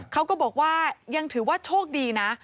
เขาก็บอกว่ายังถือว่าโชคดีนะ